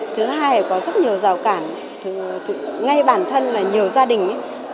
thứ hai là có rất nhiều rào cản ngay bản thân là nhiều gia đình